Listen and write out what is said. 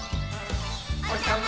「おひさま